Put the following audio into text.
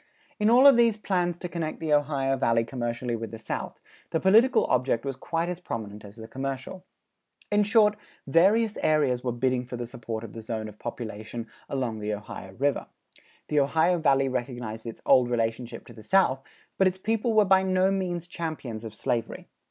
In all of these plans to connect the Ohio Valley commercially with the South, the political object was quite as prominent as the commercial. In short, various areas were bidding for the support of the zone of population along the Ohio River. The Ohio Valley recognized its old relationship to the South, but its people were by no means champions of slavery.